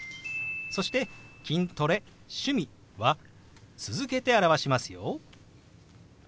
そして「筋トレ趣味」は続けて表しますよ。